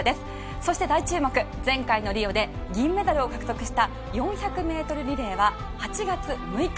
そして大注目前回のリオで銀メダルを獲得した４００メートルリレーは８月６日。